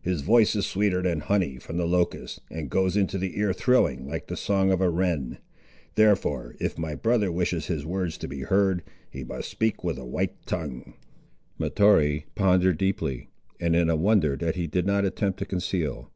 His voice is sweeter than honey from the locust, and goes into the ear thrilling like the song of a wren. Therefore, if my brother wishes his words to be heard, he must speak with a white tongue." Mahtoree pondered deeply, and in a wonder that he did not attempt to conceal.